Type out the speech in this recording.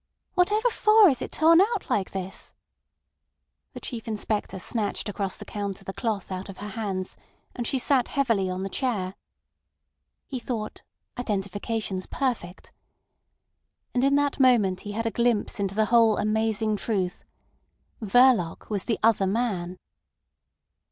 "Whatever for is it torn out like this?" The Chief Inspector snatched across the counter the cloth out of her hands, and she sat heavily on the chair. He thought: identification's perfect. And in that moment he had a glimpse into the whole amazing truth. Verloc was the "other man."